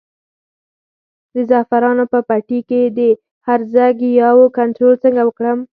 د زعفرانو په پټي کې د هرزه ګیاوو کنټرول څنګه وکړم؟